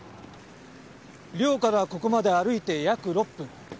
寮からここまで歩いて約６分。